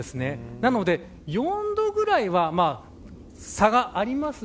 なので、４度ぐらいは差があります。